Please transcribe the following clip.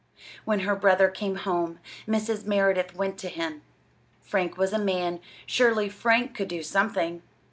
When her brother came home, Mrs. Merideth went to him. Frank was a man: surely Frank could do something!